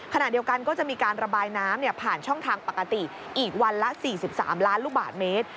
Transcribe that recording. ขณะเดียวกันก็จะมีการระบายน้ำผ่านช่องทางปกติอีกวันละ๔๓ล้านลูกบาทเมตร